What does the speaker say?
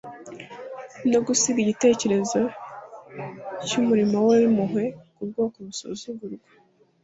no gusiga icyitegererezo cy'umurimo we w'impuhwe ku bwoko busuzugurwa,